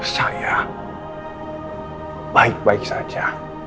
saya baik baik saja